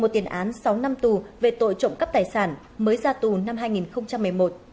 một tiền án sáu năm tù về tội trộm cắp tài sản mới ra tù năm hai nghìn một mươi một